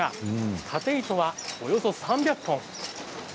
たて糸がおよそ３００本。